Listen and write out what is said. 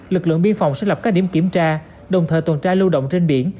lực lượng biên phòng sẽ lập các điểm kiểm tra đồng thời tuần tra lưu động trên biển